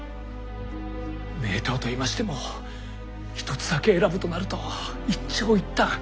名刀といいましても一つだけ選ぶとなると一長一短。